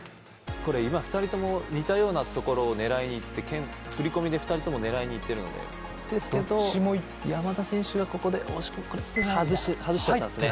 これ今２人とも似たようなところを狙いにいって振り込みで２人とも狙いにいってるのでですけど山田選手がここで外しちゃったんですね